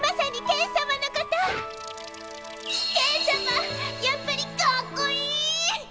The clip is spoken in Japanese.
ケンさまやっぱりかっこいい！